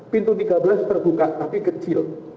pintu tiga belas terbuka tapi kecil